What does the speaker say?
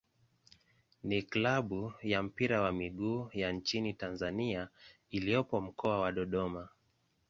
ni klabu ya mpira wa miguu ya nchini Tanzania iliyopo Mkoa wa Dodoma.